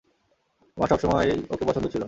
আমার সবসময়েই ওকে পছন্দ ছিল।